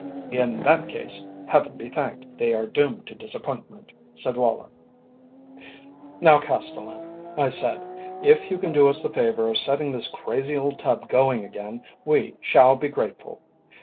"In that case, Heaven be thanked, they are doomed to disappointment," said Woller. "Now, Castellan," I said, "if you can do us the favour of setting this crazy old tub going again, we shall be grateful."